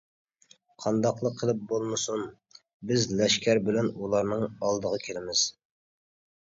قانداقلا قىلىپ بولمىسۇن بىز لەشكەر بىلەن ئۇلارنىڭ ئالدىغا كېلىمىز.